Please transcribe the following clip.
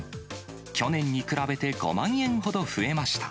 去年に比べて５万円ほど増えました。